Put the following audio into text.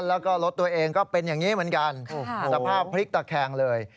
แล้วก็รถตัวเองก็เป็นอย่างนี้เหมือนกันสภาพพลิกตะแคงเลย